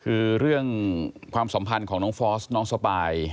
คือเรื่องความสัมพันธ์ของน้องฟอสน้องสปาย